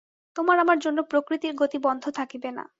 তোমার আমার জন্য প্রকৃতির গতি বন্ধ থাকিবে না।